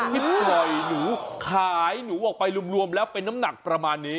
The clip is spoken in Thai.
ที่ปล่อยหนูขายหนูออกไปรวมแล้วเป็นน้ำหนักประมาณนี้